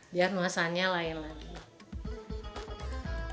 biar nuasanya lain lagi